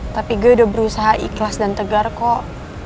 tapi gue udah berusaha ikhlas dan tegar kok